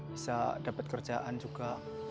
bisa dapat kerjaan juga